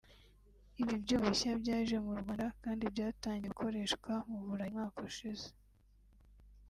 Ibi byuma bishya byaje mu Rwanda kandi byatangiye gukoreshwa mu Burayi umwaka ushize